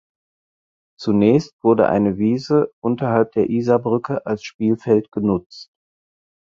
Zunächst wurde eine Wiese unterhalb der Isarbrücke als Spielfeld genutzt.